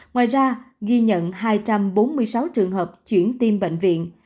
ngoài ra ghi nhận hai trăm bốn mươi sáu trường hợp chuyển tim bệnh viện